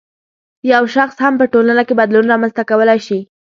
یو شخص هم په ټولنه کې بدلون رامنځته کولای شي